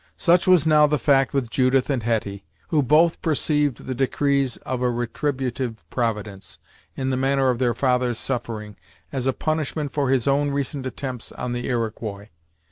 Such was now the fact with Judith and Hetty, who both perceived the decrees of a retributive Providence, in the manner of their father's suffering, as a punishment for his own recent attempts on the Iroquois.